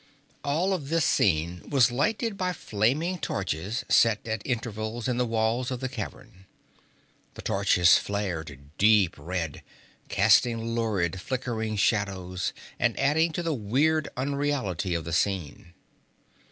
All of this scene was lighted by flaming torches set at intervals in the walls of the cavern. The torches flared deep red, casting lurid, flickering shadows and adding to the weird unreality of the scene.